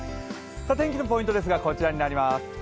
天気のポイントですがこちらになります。